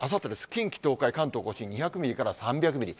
近畿、東海、関東甲信２００ミリから３００ミリ。